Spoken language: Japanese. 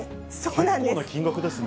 結構な金額ですね。